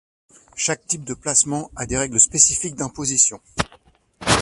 Chaque type de placement a des règles spécifiques d’imposition.